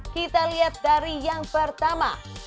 kita lihat dari yang pertama